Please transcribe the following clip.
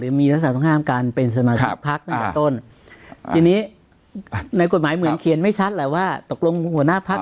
หรือมีธรรมงามการเป็นสมาชิกภัครแล้วต้านทรงทีนี้ในกฎหมายเหมือนเขียนไม่ชัดว่าตกลงหัวหน้าภักดิ์